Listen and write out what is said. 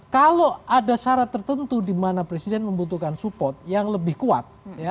kalau ada syarat tertentu di mana presiden membutuhkan support yang lebih kuat